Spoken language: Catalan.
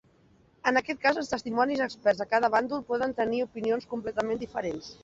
En aquest cas, els testimonis experts de cada bàndol poden tenir opinions completament diferents.